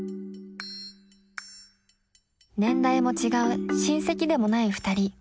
年代も違う親戚でもないふたり。